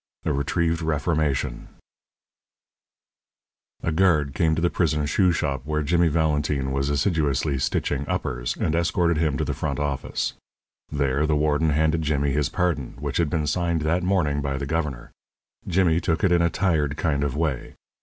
X A RETRIEVED REFORMATION A guard came to the prison shoe shop, where Jimmy Valentine was assiduously stitching uppers, and escorted him to the front office. There the warden handed Jimmy his pardon, which had been signed that morning by the governor. Jimmy took it in a tired kind of way.